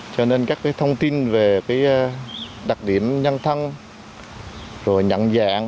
cho nên các thông tin về đặc điểm nhân thân nhận dạng